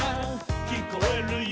「きこえるよ」